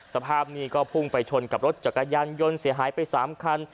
สภาพนี้ก็พุ่งไปชนกับรถจักรยานยนต์เสียหายไป๓คัน